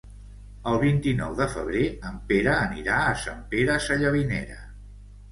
El vint-i-nou de febrer en Pere anirà a Sant Pere Sallavinera.